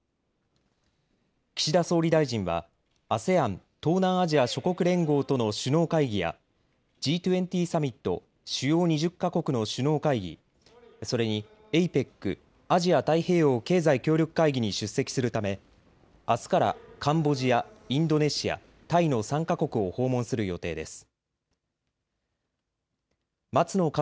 岸田総理大臣はＡＳＥＡＮ・東南アジア諸国連合との首脳会議やＧ２０サミット・主要２０か国の首脳会議、それにＡＰＥＣ・アジア太平洋経済協力会議に出席するため、あすからカンボジア、インドネシア、タイの３か国を訪問する予定です。